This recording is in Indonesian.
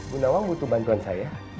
bunawang butuh bantuan saya